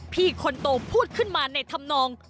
พี่คนโตพูดขึ้นมาในธรรมนอง